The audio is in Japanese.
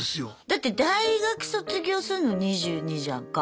だって大学卒業すんの２２じゃんか。